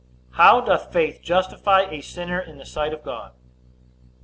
How doth faith justify a sinner in the sight of God?